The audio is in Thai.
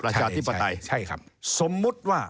ใช่ครับ